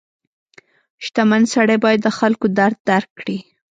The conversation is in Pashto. • شتمن سړی باید د خلکو درد درک کړي.